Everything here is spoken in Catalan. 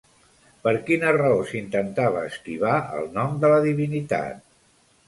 Per quina raó s'intentava esquivar el nom de la divinitat?